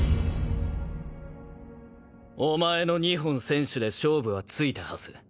お前の２本先取で勝負はついたはず。